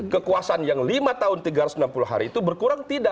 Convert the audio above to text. kekuasaan yang lima tahun tiga ratus enam puluh hari itu berkurang tidak